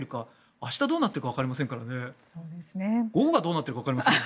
明日どうなっているかわかりませんからね。